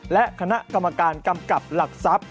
และคณะกรรมการกำกับหลักทรัพย์